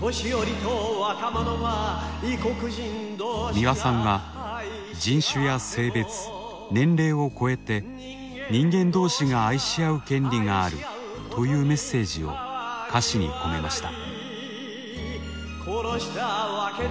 美輪さんは人種や性別年齢を超えて人間同士が愛し合う権利があるというメッセージを歌詞に込めました。